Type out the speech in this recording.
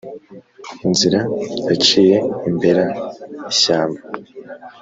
Inzira yaciye imbera ishyamba,